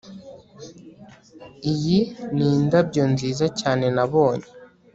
iyi ni indabyo nziza cyane nabonye